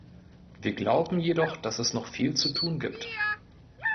Wir glauben jedoch, dass es noch viel zu tun gibt.